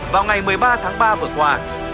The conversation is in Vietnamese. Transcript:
vào ngày một mươi ba tháng ba vừa qua